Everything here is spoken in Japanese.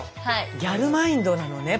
ギャルマインドなのね